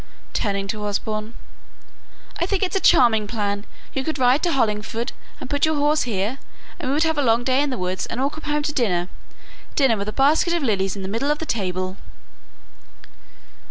turning to Osborne. "I think it's a charming plan! You could ride to Hollingford and put up your horse here, and we could have a long day in the woods and all come home to dinner dinner with a basket of lilies in the middle of the table!"